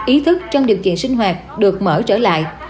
ý thức trong điều kiện sinh hoạt được mở trở lại